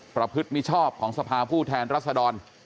พฤติมิชอบของสภาผู้แทนรัศดร